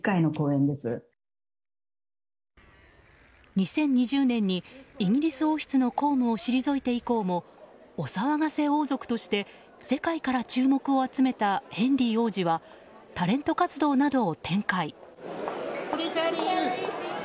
２０２０年にイギリス王室の公務を退いて以降もお騒がせ王族として世界から注目を集めたヘンリー王子はタレント活動などを展開。